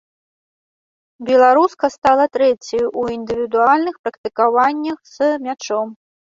Беларуска стала трэцяй у індывідуальных практыкаваннях з мячом.